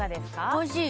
おいしい。